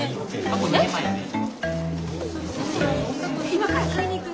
今から買いに行く？